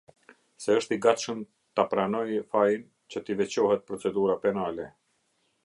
Se është i gatshëm t'a pranoj fajin, që t'i veqohet procedura penale.